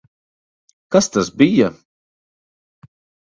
Kas tas bija?